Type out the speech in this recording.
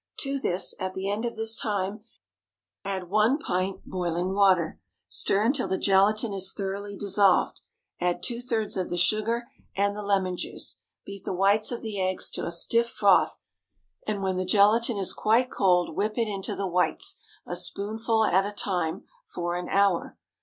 To this, at the end of this time, add one pint boiling water. Stir until the gelatine is thoroughly dissolved; add two thirds of the sugar and the lemon juice. Beat the whites of the eggs to a stiff froth, and when the gelatine is quite cold, whip it into the whites, a spoonful at a time, for an hour.